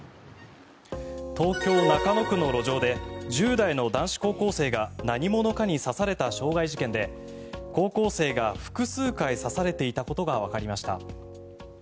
東京・中野区の路上で１０代の男子高校生が何者かに刺された傷害事件で高校生が複数回刺されていたことがわかりました。